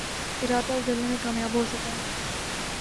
ارادہ بدلنے میں کامیاب ہو سکا